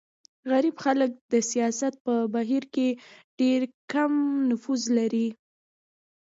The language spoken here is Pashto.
غریب خلک د سیاست په بهیر کې ډېر کم نفوذ لري.